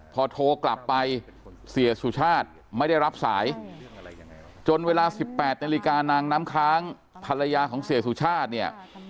พอโทรกลับไปเสียสุชาติไม่ได้รับสายจนเวลา๑๘นาฬิกานางน้ำค้างภรรยาของเสียสุชาติเนี่ย